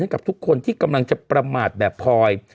กำลังจะประหม่าแบบพวิทย์